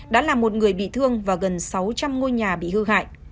đã làm một người bị thương và gần sáu trăm linh ngôi nhà bị hư hại